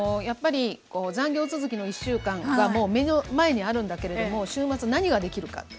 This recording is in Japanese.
やっぱり残業続きの１週間がもう目の前にあるんだけれども週末何ができるか。